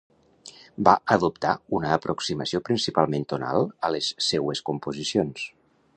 Va adoptar una aproximació principalment tonal a les seues composicions.